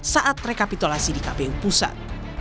saat rekapitulasi di kpu pusat